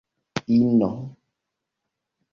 ino